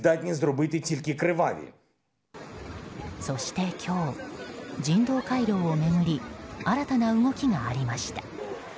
そして今日、人道回廊を巡り新たな動きがありました。